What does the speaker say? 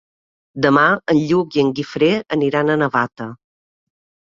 Demà en Lluc i en Guifré aniran a Navata.